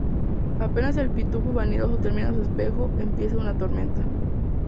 Apenas el Pitufo Vanidoso termina su espejo, empieza una tormenta.